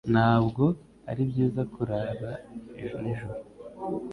Ntabwo ari byiza kurara nijoro